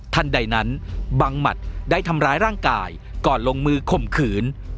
ท่านใดนั้นบังหมัดได้ทำร้ายร่างกายก่อนลงมือข่มขืน